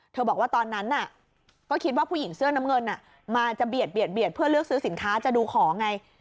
บอกว่าตอนนั้นก็คิดว่าผู้หญิงเสื้อน้ำเงินมาจะเบียดเพื่อเลือกซื้อสินค้าจะดูของไง